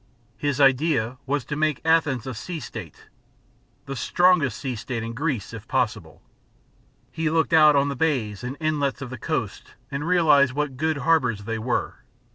His idea was to make Athens a sea state, the strongest sea state in Greece, if possible. He looked out on the bays and inlets of the coast and realised what good harbours they were.